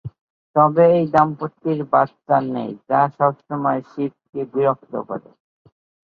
তবে এই দম্পতির বাচ্চা নেই, যা সবসময় শিবকে বিরক্ত করে।